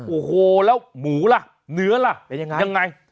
โอ้โหแล้วหมูล่ะเนื้อล่ะยังไง